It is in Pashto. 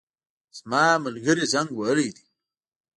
زما ملګري زنګ وهلی دی